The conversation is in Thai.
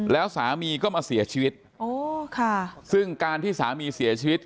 แล้วสามีก็มาเสียชีวิตอ๋อค่ะซึ่งการที่สามีเสียชีวิต